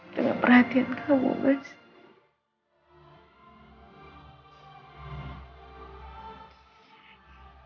dengan perhatian kamu masih